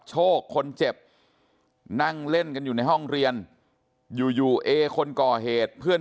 โชคคนเจ็บนั่งเล่นกันอยู่ในห้องเรียนอยู่อยู่เอคนก่อเหตุเพื่อน